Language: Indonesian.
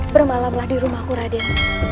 bermalamlah di rumahku raden